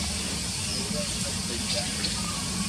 روگا خرچ ھوئي جائي ھي